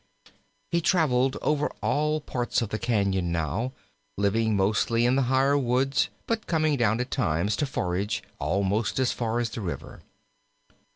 He traveled over all parts of the cañon now, living mostly in the higher woods, but coming down at times to forage almost as far as the river.